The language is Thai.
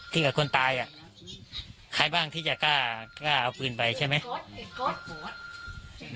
กับคนตายอ่ะใครบ้างที่จะกล้ากล้าเอาปืนไปใช่ไหม